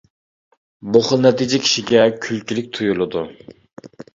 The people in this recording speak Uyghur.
بۇ خىل نەتىجە كىشىگە كۈلكىلىك تۇيۇلىدۇ.